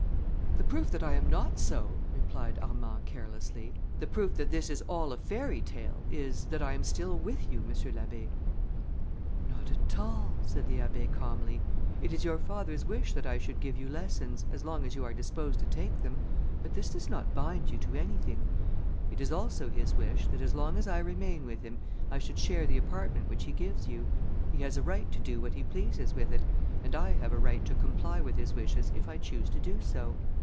"The proof that I am not so," replied Armand carelessly, "the proof that this is all a fairy tale, is, that I am still with you, M. l'Abbé." "Not at all," said the Abbé calmly, "it is your father's wish that I should give you lessons, as long as you are disposed to take them, but this does not bind you to anything: it is also his wish, that as long as I remain with him, I should share the apartment which he gives you; he has a right to do what he pleases with it, and I have a right to comply with his wishes if I choose to do so.